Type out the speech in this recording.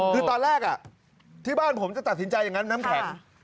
คือตอนแรกที่บ้านผมจะตัดสินใจอย่างนั้นน้ำแข็ง